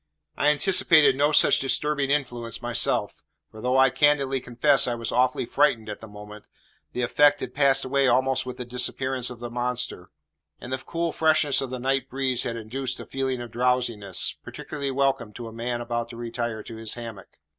I anticipated no such disturbing influence myself; for though I candidly confess I was awfully frightened at the moment, the effect had passed away almost with the disappearance of the monster; and the cool freshness of the night breeze had induced a feeling of drowsiness, particularly welcome to a man about to retire to his hammock.